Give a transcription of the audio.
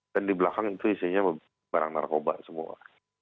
dan di belakang itu isinya barang narkoba semua